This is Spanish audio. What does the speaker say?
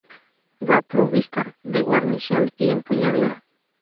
Va provista de guarnición y empuñadura.